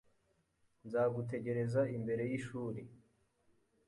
Nzagutegereza imbere yishuri.